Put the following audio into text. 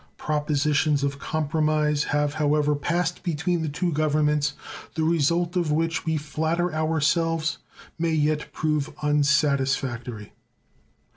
Propositions of compromise have, however, passed between the two Governments, the result of which we flatter ourselves may yet prove unsatisfactory.